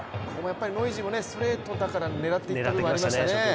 ノイジーもストレートだから狙ってきたという感じがありましたね。